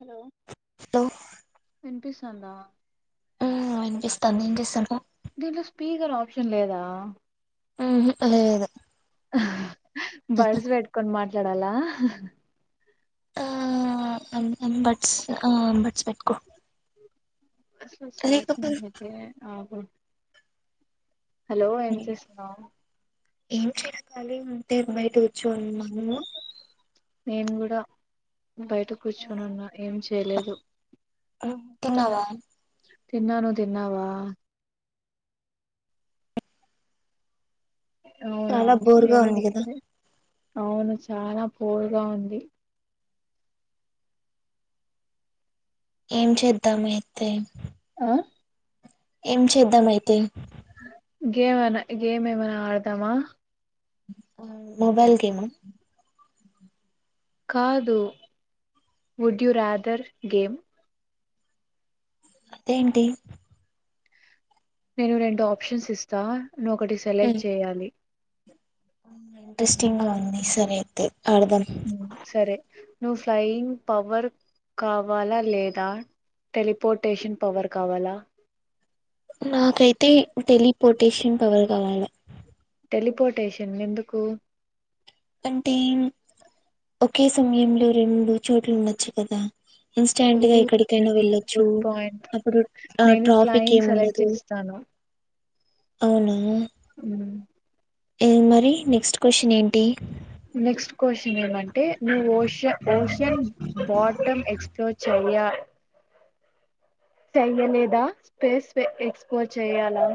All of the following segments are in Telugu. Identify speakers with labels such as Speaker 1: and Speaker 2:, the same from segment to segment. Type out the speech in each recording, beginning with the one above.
Speaker 1: హలో
Speaker 2: హలో
Speaker 1: విన్పిస్తందా.
Speaker 2: ఆ అనిపిస్తంది, ఏం జేస్తాన్నావ్.
Speaker 1: దీంట్లో స్పీకర్ ఆప్షన్ లేదా?
Speaker 2: ఉమ్ హు లేదు.
Speaker 1: బర్డ్స్ బేట్టుకొని మాట్లాడాలా.
Speaker 2: ఆ అమ్ అమ్ బర్డ్స్, ఆ బర్డ్స్ పెట్టుకో.
Speaker 1: అసల్
Speaker 2: లేకపోతే
Speaker 1: ఛార్జింగ్ అయితే ఆగద్. హలో ఏం చేస్తున్నావ్.
Speaker 2: ఏం చేస్తలేను, ఉట్టిగానే బయట కూర్చోనీ ఉన్న నువ్వు.
Speaker 1: నేన్ గుడా బయట కూర్చుని ఉన్నా, ఏం చేయ్ లేదు.
Speaker 2: తిన్నావా.
Speaker 1: తిన్నా, ను తిన్నావా. అవునా,
Speaker 2: చాలా బోర్గా
Speaker 1: నేను
Speaker 2: ఉంది
Speaker 1: [unintelligible]
Speaker 2: కదా
Speaker 1: తే. అవును, చాలా పూర్ గా ఉంది.
Speaker 2: ఏం చేద్దాం అయితే,
Speaker 1: ఆ.
Speaker 2: ఏం చేద్దాం అయితే.
Speaker 1: గేమ్ అనా, గేమ్ ఏమన్నా ఆడదామా.
Speaker 2: ఆ మొబైల్ గేమా.
Speaker 1: కాదు, వుడ్ యు రాదర్ గేమ్.
Speaker 2: అదేంటి?
Speaker 1: నేను రెండు ఆప్షన్స్ ఇస్తా, నువ్ ఒకటి సెలెక్ట్ చేయాలి.
Speaker 2: ఉమ్. ఇంట్రెస్టింగ్ గా ఉంది, సరే అయితే. ఆడదాం
Speaker 1: ఉమ్ సరే. నువ్వు ఫ్లయింగ్ పవర్ కావాలా లేదా? టెలిపోర్టేషన్ పవర్ కావాలా?
Speaker 2: నాకైతే, టెలిపోర్టేషన్ పవర్ కావాలే.
Speaker 1: టెలిపోర్టేషన్ ఎందుకు?
Speaker 2: అంటే, ఒకే సమయంలో రెండు చోట్లు ఉండొచ్చు కదా.
Speaker 1: ఓ
Speaker 2: ఇన్స్టాంట్గా ఎక్కడికైనా వెళ్ళొచ్చు,
Speaker 1: గుడ్ పాయింట్
Speaker 2: అప్పుడు
Speaker 1: నేను
Speaker 2: ట్రాఫిక్
Speaker 1: ఫ్లయింగ్ సెలెక్ట్
Speaker 2: ఏమిండదు.
Speaker 1: చేస్తాను
Speaker 2: అవునా
Speaker 1: మ్ఉ
Speaker 2: ఏం మరి నెక్స్ట్ క్వశ్చన్ ఏంటి?
Speaker 1: నెక్స్ట్ క్వశ్చన్ ఏం అంటే నువ్వు ఓష ఓషన్ బాటమ్ ఎక్స్ప్లోర్ చేయాలి. చెయ్యలేదా స్పేస్ ఎక్స్ప్లోర్ చెయ్యాలా?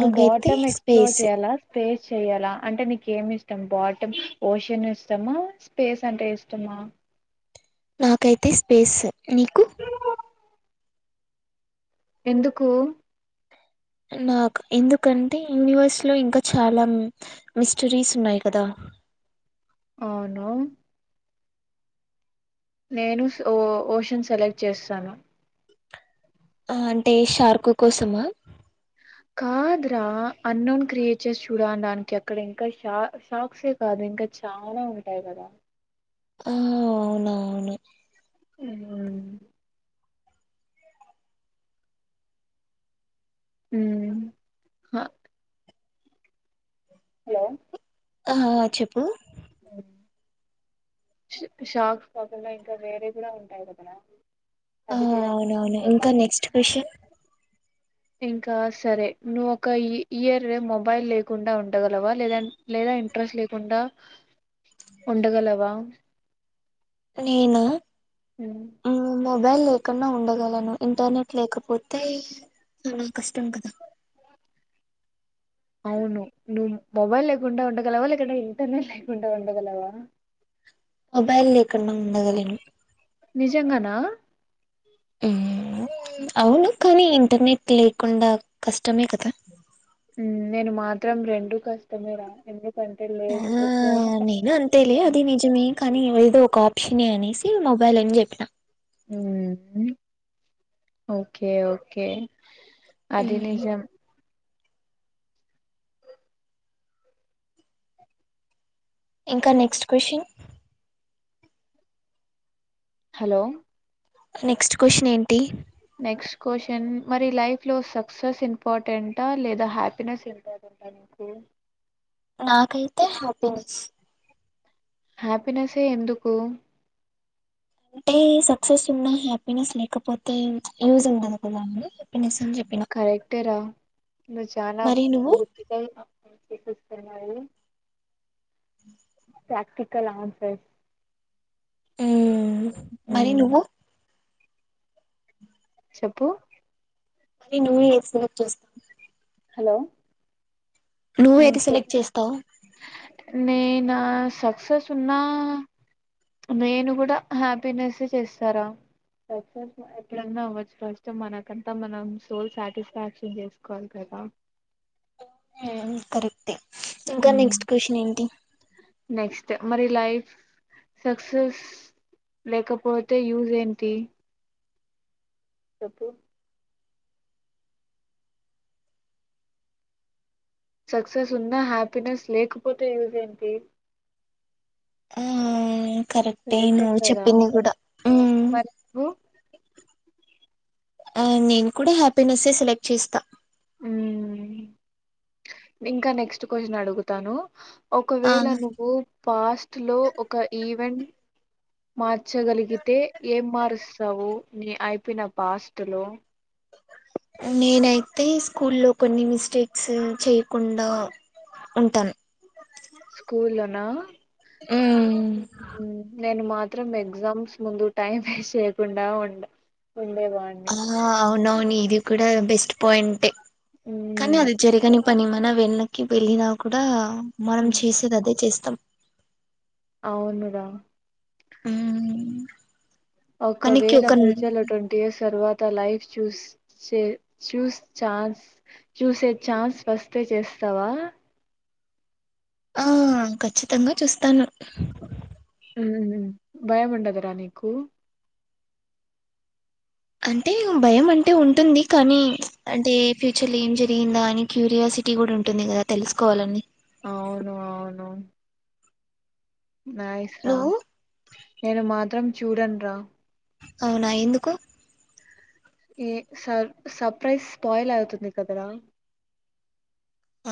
Speaker 1: నువ్ బాటమ్ ఎక్స్ప్లోర్
Speaker 2: స్పేస్
Speaker 1: చేయ్యాలా స్పేస్ చెయ్యాలా అంటే నీకేమి ఇష్టం బాటమ్ ఓషన్ ఇష్టమా? స్పేస్ అంటే ఇష్టమా?
Speaker 2: నాకైతే స్పేస్. నీకు
Speaker 1: ఎందుకు?
Speaker 2: నాకు ఎందుకంటే యూనివర్స్ లో ఇంకా చాలా మిస్టరీస్ ఉన్నాయి కదా,
Speaker 1: అవునా? నేను సో ఓ ఓషన్ సెలెక్ట్ చేస్తాను.
Speaker 2: ఆ అంటే షార్కో కోసమా.
Speaker 1: కాదు రా అన్నోన్ క్రియేచర్స్ చూడడానికి అక్కడ ఇంకా షార్క్సే కాదు. ఇంకా చాాలా ఉంటాయి కదా.
Speaker 2: ఆ అవునవును.
Speaker 1: హమ్ మ్ ఆ హలో!
Speaker 2: ఆ హా హా చెప్పు
Speaker 1: ఉ షార్క్స్ పగలైతే ఇంకా వేరే కూడా ఉంటాయి కదా.
Speaker 2: ఆ అవునవును ఇంకా నెక్స్ట్ క్వశ్చన్.
Speaker 1: ఇంకా సరే. నువ్వు ఒక ఇ ఇయర్ మొబైల్ లేకుండా ఉండగలవా లేదా లేదా ఇంట్రెస్ట్ లేకుండా ఉండగలవా?
Speaker 2: నేను.
Speaker 1: మ్
Speaker 2: మొబైల్ లేకుండా ఉండగలను ఇంటర్నెట్ లేకపోతే, చాలా కష్టం కదా
Speaker 1: అవును నువ్వు మొబైల్ లేకుండా ఉండగలవా? లేకుంటే ఇంటర్నెట్ లేకుండా ఉండగలవా?
Speaker 2: మొబైల్ లేకుండా ఉండగలను.
Speaker 1: ఆ
Speaker 2: అవును కానీ ఇంటర్నెట్ లేకుండా కష్టమే కదా.
Speaker 1: నేను మాత్రం రెండూ కష్టమే రా
Speaker 2: ఆ నేను అంతేలే
Speaker 1: పెట్టేయాలి.
Speaker 2: అది నిజమే కానీ ఏదో ఒక ఆప్షనే అనేసి. ఇ మొబైల్ అని చెప్పినా.
Speaker 1: ఉ ఓకే ఓకే అది
Speaker 2: మ్మ్
Speaker 1: నిజం
Speaker 2: ఇంకా next question
Speaker 1: hello!
Speaker 2: Next question ఏంటి?
Speaker 1: నెక్స్ట్ క్వశ్చన్ మరి లైఫ్ లో సక్సెస్ ఇంపార్టెంటా లేదా హ్యాపీనెస్ ఇంపార్టెంటెంటా. అయితే
Speaker 2: నాకైతే హ్యాపీనెస్.
Speaker 1: హ్యాపీనెస్సే ఎందుకు?
Speaker 2: అంటే సక్సెస్ ఉన్న హ్యాపీనెస్ లేకపోతే యూజ్ ఉండదు కదా. హ్యాపీనెస్ అని చెప్పిన
Speaker 1: కరెక్టే రా నువు చానా
Speaker 2: మరి నువ్వు
Speaker 1: బుద్ది గా అ ప్రాక్టికల్ ఆన్సర్
Speaker 2: ఉమ్ మరి నువ్వు
Speaker 1: చెప్పు
Speaker 2: మరి నువ్వు ఏమి సెలక్ట్ చేసావ్.
Speaker 1: హలో ఉమ్
Speaker 2: నువ్వేది
Speaker 1: చెప్పు
Speaker 2: సెలెక్ట్ చేస్తావు
Speaker 1: నేనా సక్సస్ ఉన్నా నేను కూడా హ్యాపీనెస్ చేస్తారా. సక్సెస్ ఎప్పుడన్నా అవ్వొచ్చు ఫస్ట్ మనకంతా మనం సోల్ సాటిస్ఫాక్షన్ చేసుకోవాలి కద్. ఆ
Speaker 2: ఉమ్ కరెక్టే ఇంకా నెక్స్ట్ కొశున్ ఏంటి?
Speaker 1: నెక్స్ట్ మరి లైఫ్ సక్సెస్ లేకపోతే యూజ్ ఏంటి. చెప్పు సక్సెస్ ఉన్నా హ్యాపీనెస్ లేకపోతే యూజ్ ఏంటి.
Speaker 2: ఊమ్
Speaker 1: కరక్టే కదా
Speaker 2: మ్మ్
Speaker 1: వరకు
Speaker 2: ఆ నేను కూడా హ్యాపీనెస్సే సెలెక్ట్ చేస్తా.
Speaker 1: ఉమ్ ఇంకా నెక్స్ట్ కొశున్ అడుగుతాను
Speaker 2: ఆ
Speaker 1: ఒకవేళ నువ్వు పాస్ట్లో ఒక ఈవెంట్ మార్చగలిగితే ఏం మారుస్తావు నీ అయిపోయిన పాస్ట్ లో
Speaker 2: నేనైతే స్కూల్లో కొన్ని మిస్టేక్స్ చేయ్కుండా ఉంటాన్.
Speaker 1: నా
Speaker 2: మ్మ్
Speaker 1: నేను మాత్ మాత్రం ఎగ్జామ్స్ ముందు టైం వేస్ట్ చెయ్యకుండా ఉండ ఉండేవాడిని
Speaker 2: ఆ అవునవును ఇది కూడా బెస్ట్ పాయింటే కానీ
Speaker 1: ఉమ్
Speaker 2: అది జరిగని పని మన వెనక్కి వెళ్ళినా కూడా మనం చేసేది అదే చేస్తాం.
Speaker 1: అవును రా.
Speaker 2: ఉమ్
Speaker 1: ఒకవేళ ఫ్యూచర్లో ట్వంటీ ఇయర్స్ తర్వా లైఫ్ చూస్ చే చూస్ ఛాన్స్ చూసే చాన్స్ ఫస్తే చేస్ స్తవా?
Speaker 2: ఆ ఖచ్చితంగా చూస్తాను.
Speaker 1: మ్మ్. భయం ఉండదురా నీకు
Speaker 2: అంటే భయం అంటే ఉంటుంది కానీ అంటే ఫ్యూచర్లో ఏం జరిగిందా అని క్యూరియస్ సిటీ కూడా ఉంటుంది కదా తెలుసుకోవాలని
Speaker 1: అవును అవును నైస్ రా
Speaker 2: నువ్వు
Speaker 1: నేను మాత్రం చూడన్ రా
Speaker 2: అవునా ఎందుకు?
Speaker 1: ఎ స సర్ సర్ప్రైజ్ స్పాయిల్ అవుతుంది కదరా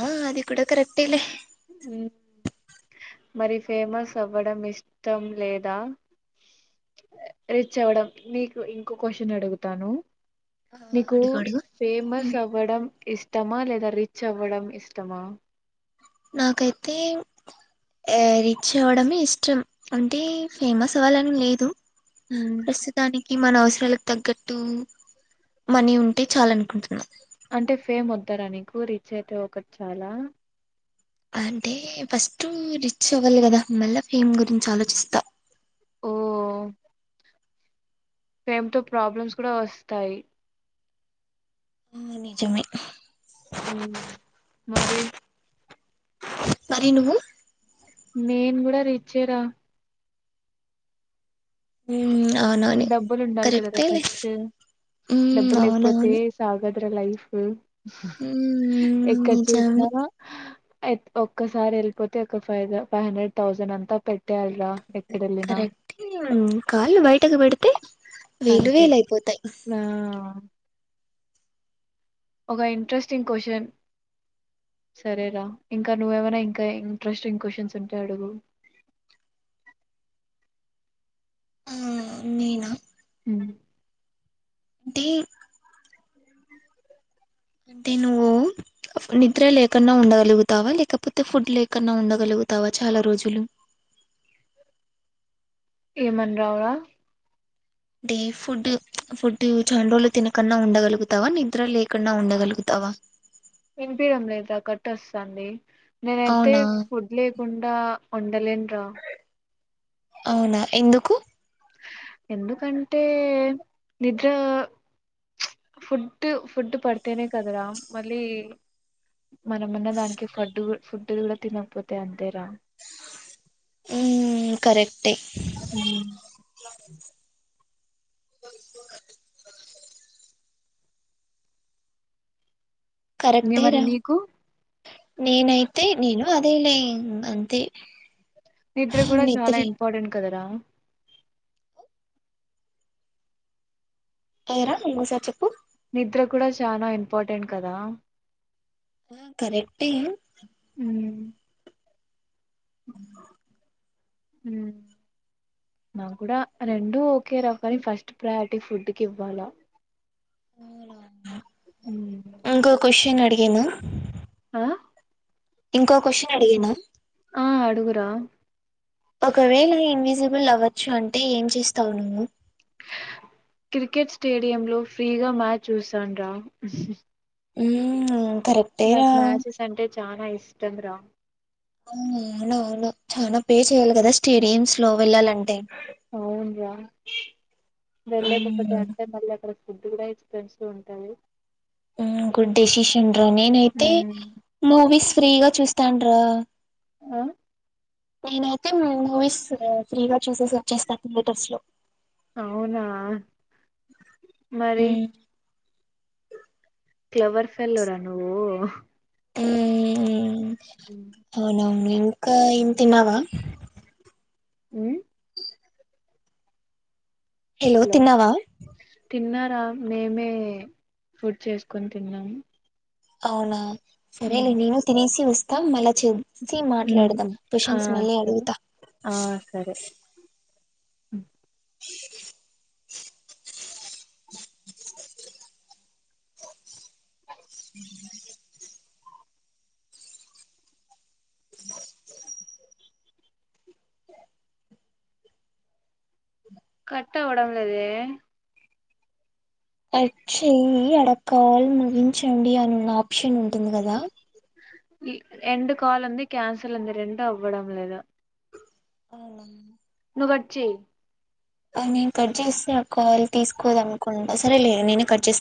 Speaker 2: ఆ అది కూడా కరెక్టే లే
Speaker 1: ఉ మరి ఫేమస్ అవ్వడం ఇష్టం లేదా? రిచ్ అవ్వడం నీకు ఇంకో కొశున్ అడుగుతాను.
Speaker 2: ఆ,
Speaker 1: నీకు
Speaker 2: అడుగు అడుగు
Speaker 1: ఫేమస్
Speaker 2: ఉమ్.
Speaker 1: అవ్వడం ఇష్ ఇష్టమా లేదా రిచ్ అవ్వడం ఇష్టమా?
Speaker 2: నాకైతే ఆ రిచ్ అవ్వడమే ఇష్టం అంటే ఫేమస్ అవ్వాలని లేదు
Speaker 1: మ్,
Speaker 2: ప్రస్తుతానికి ఈ మన అవసరాలకు తగ్గట్టు మనీ ఉంటే చాల అనుకుంటున్నాం
Speaker 1: అంటే ఫేమ్ వద్దారా నీకు రీచ్ అయితే ఒకటి చాలా
Speaker 2: అంటే ఫస్ట్ రిచ్ అవ్వాలి కదా మళ్ళ ఫేమ్ గురించి ఆలోచిస్తా
Speaker 1: ఓ ఫేమ్ త ప్రాబ్లమ్స్ కూడా వస్తాయి
Speaker 2: నిజమే
Speaker 1: ఉ మరి
Speaker 2: మరి నువ్వు
Speaker 1: నేను కూడా రిచ్చేరా
Speaker 2: ఉమ్, అవునవును
Speaker 1: డబ్బులు ఉండాలి కదా
Speaker 2: కరెక్టేలే
Speaker 1: ఫస్ట్
Speaker 2: హ్మ్
Speaker 1: డబ్బులు లేకపోతే
Speaker 2: అవునవును
Speaker 1: సాగ ఇ లైఫ్
Speaker 2: హ్మ్
Speaker 1: ఎక్కడ
Speaker 2: నిజమే
Speaker 1: చూసినా ఒక్కసారి వెళ్ళిపోతే ఒక ఫైవ్ ఫైవ్ హండ్రెడ్ థౌసండ్ అంతా పె
Speaker 2: కరెక్ట్ కాళ్ళు బయటకు పెడితే వేలు
Speaker 1: అంతే
Speaker 2: వేలయిపోతాయి
Speaker 1: నా ఒక ఇంట్రెస్టింగ్ క్వశ్చన్ సరేరా ఇంకా నువ్వేమైనా ఇంకా ఇంట్రెస్టింగ్ క్వశ్చన్స్ ఉంటాయి అడుగు
Speaker 2: ఆ నేనా
Speaker 1: ఉ
Speaker 2: టి తి నువ్వు నిద్ర లేకున్నా ఉండగలుగుతావా లేకపోతే ఫుడ్ లేకుం ఉండగలుగుతావా చాలా రోజులు
Speaker 1: ఏమంటావురా
Speaker 2: అంటే ఫుడ్ ఫుడ్ చాండోలు తినకుండా ఉండగలుగుతావా నిద్ర లేకుండా ఉండగలుగుతావా అవా
Speaker 1: వినిపిడం లేదు కట్ వస్తుండి నేనైతే
Speaker 2: అవునా
Speaker 1: ఫుడ్ లేకుండా ఉండలేను రా
Speaker 2: అవునా ఎందుకు
Speaker 1: ఎందుకంటే నిద్ర ఫుడ్ ఫుడ్ పడితేనే కదరా మళ్ళీ మనమన్న దానికి ఫడ్ ఫుడ్ కూడా తినకపోతే అంతేరా
Speaker 2: ఉ కరెక్ట్
Speaker 1: అ ఇగా
Speaker 2: కరెక్టే
Speaker 1: మరి
Speaker 2: రా
Speaker 1: నీకు
Speaker 2: నేనైతే నేను అదే లే అంతే
Speaker 1: నిద్ర కూడా చాలా
Speaker 2: నిద్ర
Speaker 1: ఇంపార్టెంట్ కదరా
Speaker 2: అయరాంగసారి చెప్పు
Speaker 1: నిద్ర కూడా చాలా ఇంపార్టెంట్ కదా
Speaker 2: కరెక్టే
Speaker 1: ఉ
Speaker 2: అ
Speaker 1: ఉ నాకు కూడా రెండు ఒకరా కాన్ని ఫస్ట్ ప్రయారిటీ ఫుడ్ కి ఇవ్వాలా
Speaker 2: ఇంకో క్వశ్చన్ అడిగిన
Speaker 1: ఆ
Speaker 2: ఇంకో క్వశ్చన్ అడిగనా
Speaker 1: ఆ అడుగురా
Speaker 2: ఒకవేళ ఇన్విజిబుల్ అవ్వచ్చు అంటే ఏం చేస్తావు నువ్వు
Speaker 1: క్రికెట్ స్టేడియంలో ఫ్రీగా మ్యాచ్ చూశాను రా
Speaker 2: మ్
Speaker 1: నాకు
Speaker 2: కరెక్టేరా
Speaker 1: మ్యాచెస్ అంటే చానా ఇష్టం రా
Speaker 2: ఆ అవున అవును చనా పే చేయ్యాలి కదా స్టేడియమ్స్ లో వెళ్లాలంటే
Speaker 1: అవునురా వెళ్ళ ఒక్కటే
Speaker 2: మ్మ్
Speaker 1: అంటే మళ్ళ అ ఫుడ్ కూడా ఎక్స్పెసీవ్ ఉంటాది
Speaker 2: గుడ్ డెసిషన్ రా నేనైతే మూవీస్ ఫ్రీగా చూస్తాడ్రా
Speaker 1: అ!
Speaker 2: నేనైతే మూవీస్ ఫ్రీగా చూసేసి వచ్చేస్తా థియేటర్స్ లో
Speaker 1: అవునా మరి
Speaker 2: మ్మ్
Speaker 1: క్లవర్ ఫెలోరా నువ్వు
Speaker 2: మ్మ్మ్ అవునవును ఇంక ఏం తిన్నావా
Speaker 1: మ్
Speaker 2: హెలో
Speaker 1: హలో
Speaker 2: తిన్నావా
Speaker 1: తిన్నారా మేమే ఫుడ్ చేసుకొని తిన్నాము
Speaker 2: అవునా సరే
Speaker 1: ఉమ్,
Speaker 2: నేను తినేసి వస్తా మళ్ళ చే సి
Speaker 1: ఉమ్,
Speaker 2: మాట్లాడదాం
Speaker 1: ఆ
Speaker 2: క్వశ్చన్స్ మళ్ళి
Speaker 1: సరే
Speaker 2: అడుగుతా
Speaker 1: అ
Speaker 2: అ
Speaker 1: కట్ అవ్వడం లేదే
Speaker 2: కట్ చేయ్యి అడకాల ముగించండి అని ఉన్న ఆప్షన్ ఉంటుంది కదా
Speaker 1: ఇ ఎండ్ కాల్ ఉంది క్యాన్సిల్ ఉంది రెండు అవ్వడం లేదు
Speaker 2: అవునా
Speaker 1: నువ్వు గట్ చేయ్
Speaker 2: నేను కట్ జేసా కాల్ తీసుకోదనుకుంటా సరేలే నేనే కట్ చేస్